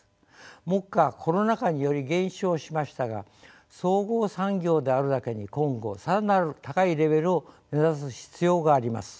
目下コロナ禍により減少しましたが総合産業であるだけに今後更なる高いレベルを目指す必要があります。